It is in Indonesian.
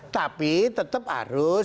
tapi tetap harus